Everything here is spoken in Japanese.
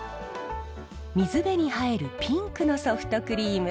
水辺に映えるピンクのソフトクリーム。